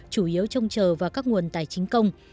chủ yếu trông chờ vào các nguồn tài chính công